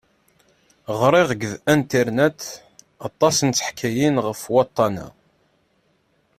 Ɣriɣ deg anternet aṭas n teḥkayin ɣef waṭṭan-a.